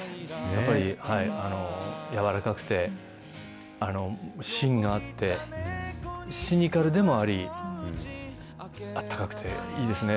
やっぱりやわらかくて、芯があって、シニカルでもあり、あったかくて、いいですね。